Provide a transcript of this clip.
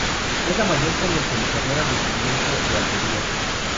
Es la mayor comercializadora de pimiento de Almería.